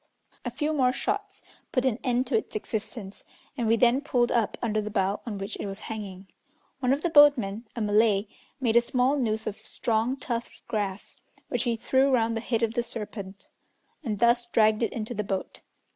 A few more shots put an end to its existence, and we then pulled up under the bough on which it was hanging. One of the boatmen, a Malay, made a small noose of strong, tough grass, which he threw round the head of the serpent, and thus dragged it into the boat.